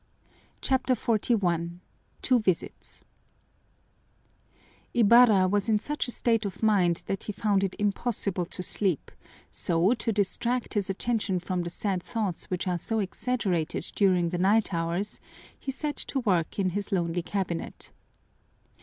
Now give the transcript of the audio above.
CHAPTER XLI Two Visits Ibarra was in such a state of mind that he found it impossible to sleep, so to distract his attention from the sad thoughts which are so exaggerated during the night hours he set to work in his lonely cabinet.